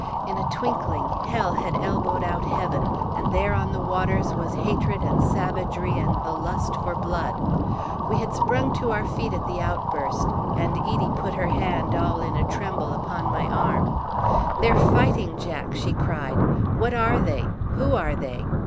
In a twinkling hell had elbowed out heaven, and there on the waters was hatred and savagery and the lust for blood. We had sprung to our feet at the outburst, and Edie put her hand all in a tremble upon my arm. "They are fighting, Jack!" she cried. "What are they? Who are they?"